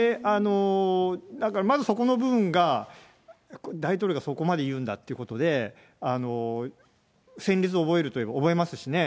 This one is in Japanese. なんか、まずそこの部分が、大統領がそこまで言うんだっていうことで、戦りつを覚えますしね。